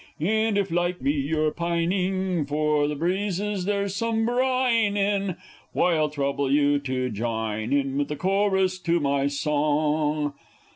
And if, like me, you're pining for the breezes there's some brine in, Why, I'll trouble you to jine in with the chorus to my song!